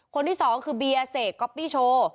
คนที่๒คือเบียเศษก๊อปปี้โชว์